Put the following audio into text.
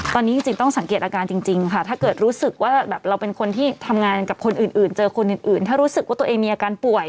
ตอนนี้จริงต้องสังเกตอาการจริงค่ะถ้าเกิดรู้สึกว่าแบบเราเป็นคนที่ทำงานกับคนอื่นเจอคนอื่นถ้ารู้สึกว่าตัวเองมีอาการป่วย